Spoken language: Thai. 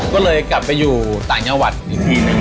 ก็เลยกลับไปอยู่ต่างจังหวัดอีกทีหนึ่ง